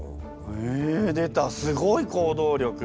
え出たすごい行動力。